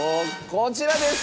こちらです！